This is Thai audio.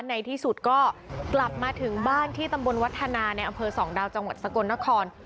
ในที่สุดก็กลับมาถึงบ้านที่ตำบลวัฒนาในอำเภอสองดาวจังหวัดสกลนคร